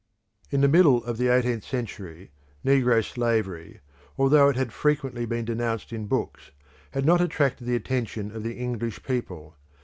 In the middle of the eighteenth century negro slavery, although it had frequently been denounced in books, had not attracted the attention of the English people.